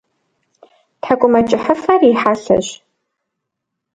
Тхьэкӏумэкӏыхьыфэр и хьэлъэщ.